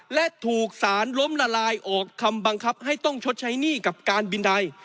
และถูกสารล้มละลายออกคำบังคับให้ต้องชดใช้หนี้กับการบินใด